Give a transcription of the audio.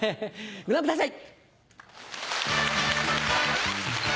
ご覧ください！